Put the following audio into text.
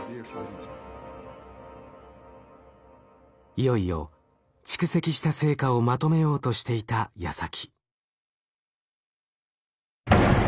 いよいよ蓄積した成果をまとめようとしていたやさき。